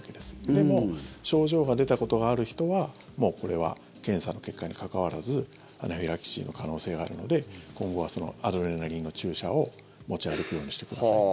でも症状が出たことがある人はもうこれは検査の結果に関わらずアナフィラキシーの可能性があるので今後はアドレナリンの注射を持ち歩くようにしてくださいと。